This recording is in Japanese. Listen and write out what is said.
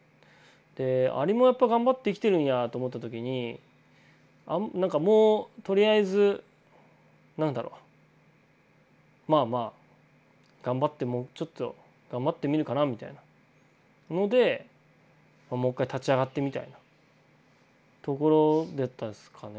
でアリもやっぱ頑張って生きてるんやと思った時になんかもうとりあえず何だろまあまあ頑張ってもうちょっと頑張ってみるかなみたいなのでもう一回立ち上がってみたいなところだったですかね